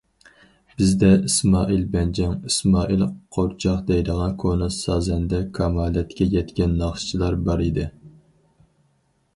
بىزدە ئىسمائىل« بەنجاڭ»، ئىسمائىل قورچاق دەيدىغان كونا سازەندە، كامالەتكە يەتكەن ناخشىچىلار بار ئىدى.